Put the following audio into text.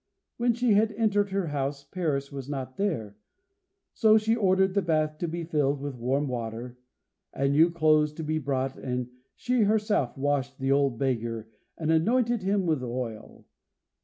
When she had entered her house, Paris was not there, so she ordered the bath to be filled with warm water, and new clothes to be brought, and she herself washed the old beggar and anointed him with oil.